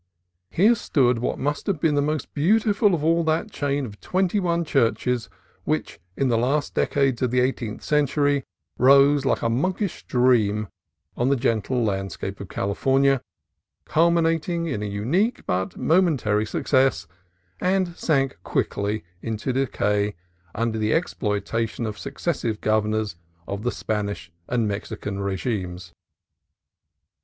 Here stood what must have been the most beau tiful of all that chain of twenty one churches which in the last decades of the eighteenth century rose like a monkish dream on the gentle landscape of California, culminated in a unique but momentary success, and sank quickly into decay under the ex ploitation of successive governors of the Spanish and Mexican regimes.